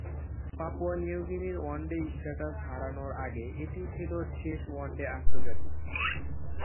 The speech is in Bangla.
পাপুয়া নিউগিনির ওয়ানডে স্ট্যাটাস হারানোর আগে এটিই ছিল শেষ ওয়ানডে আন্তর্জাতিক।